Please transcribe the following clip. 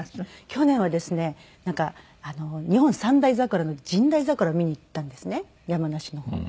去年はですねなんか日本三大桜の神代桜を見に行ったんですね山梨の方に。